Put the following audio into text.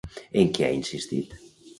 En què ha insistit?